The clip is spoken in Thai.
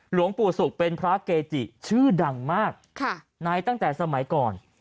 หลวงปู่ศุกร์เป็นพระเกจิชื่อดังมากในตั้งแต่สมัยก่อน